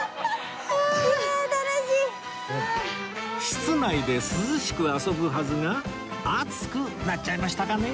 室内で涼しく遊ぶはずが熱くなっちゃいましたかね